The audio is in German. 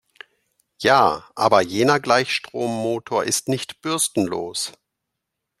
Ja, aber jener Gleichstrommotor ist nicht bürstenlos.